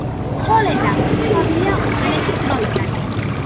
ქოლერა ცნობილია უძველესი დროიდან.